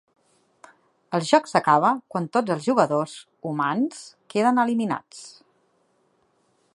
El joc s'acaba quan tots els jugadors humans queden eliminats.